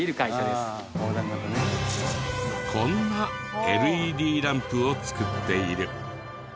こんなＬＥＤランプを作っている。